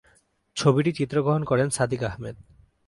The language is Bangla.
ছবিটির চিত্রগ্রহণ করেন সাদিক আহমেদ।